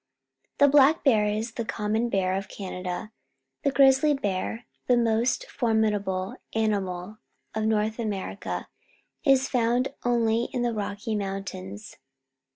The black bear is the common bear of Can ada; the grizzly bear, the most formidable animal of North Amer ica, is found only in the Rocky Mountains.